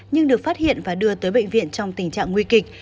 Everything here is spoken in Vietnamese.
nhưng được phát hiện và đưa tới bệnh viện trong tình trạng nguy kịch